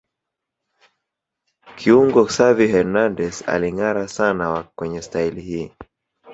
Kiungo Xavi Hernandez alingâara sana kwenye staili hii